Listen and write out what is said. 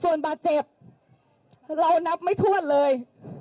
ส่วนบาดเจ็บเรานับไม่ถ้วนเลย